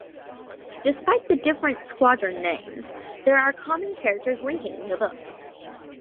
Despite the different squadron names, there are common characters linking the books.